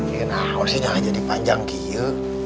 pinting aku sih nyangka jadi panjang kiyu